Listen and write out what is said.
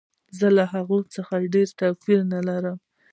زه له هغوی څخه ډېر توپیر نه لرم